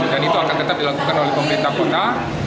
dan itu akan tetap dilakukan oleh pemerintah kota